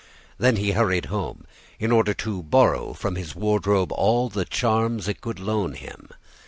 Then he hurried home, in order to borrow from his wardrobe all the charms it could loan him.